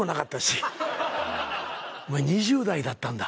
お前２０代だったんだ。